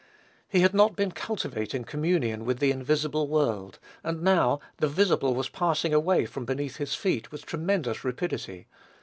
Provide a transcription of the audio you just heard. He had not been cultivating communion with the invisible world; and, now, the visible was passing away from beneath his feet with tremendous rapidity.